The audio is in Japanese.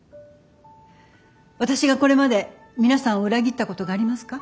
私がこれまで皆さんを裏切ったことがありますか？